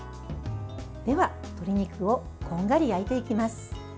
では、鶏肉をこんがり焼いていきます。